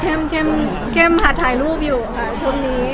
ใช่เข้มถ่ายรูปอยู่ค่ะช่วงนี้